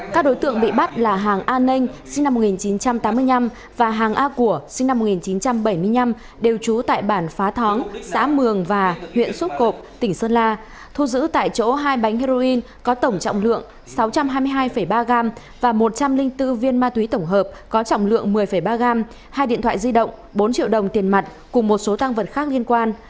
các đối tượng bị bắt là hàng a nênh sinh năm một nghìn chín trăm tám mươi năm và hàng a của sinh năm một nghìn chín trăm bảy mươi năm đều trú tại bản phá thóng xã mường và huyện sốp cộp tỉnh sơn la thu giữ tại chỗ hai bánh heroin có tổng trọng lượng sáu trăm hai mươi hai ba gram và một trăm linh bốn viên ma túy tổng hợp có trọng lượng một mươi ba gram hai điện thoại di động bốn triệu đồng tiền mặt cùng một số tăng vật khác liên quan